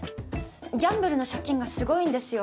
ギャンブルの借金がすごいんですよ